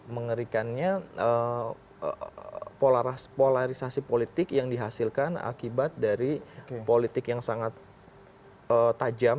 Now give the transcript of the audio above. mengerikannya polarisasi politik yang dihasilkan akibat dari politik yang sangat tajam